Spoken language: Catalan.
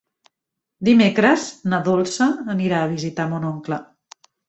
Dimecres na Dolça anirà a visitar mon oncle.